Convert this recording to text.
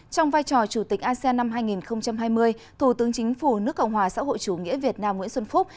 trong vai trò chủ tịch asean năm hai nghìn hai mươi thủ tướng chính phủ nước cộng hòa xã hội chủ nghĩa việt nam nguyễn xuân phúc